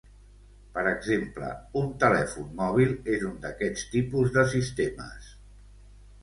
Per exemple, un telèfon mòbil és un d'aquest tipus de sistemes.